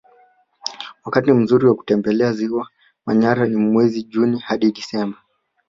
Wakati mzuri wa kutembelea ziwa manyara ni mwezi juni hadi disemba